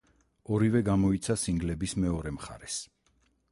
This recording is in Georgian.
ორივე გამოიცა სინგლების მეორე მხარეს.